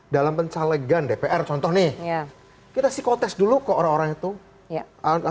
dalam pencalegang dpr contohnya yang kita psikotax dulu kok orang itu ya anda